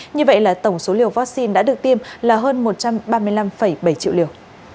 như vậy là tổng số liều vaccine đã được tiêm là hơn một trăm ba mươi năm bảy triệu liều